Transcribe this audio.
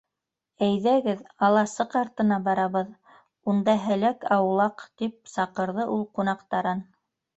- Әйҙәгеҙ, аласыҡ артына барабыҙ, унда һәләк аулаҡ, - тип саҡырҙы ул ҡунаҡтарын.